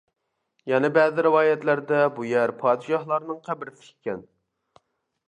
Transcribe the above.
يەنە بەزى رىۋايەتلەردە بۇ يەر پادىشاھلارنىڭ قەبرىسى ئىكەن.